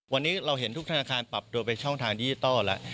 วันนี้เราเห็นทุกธนาคารปรับตัวไปช่องทางดิจิทัลแล้ว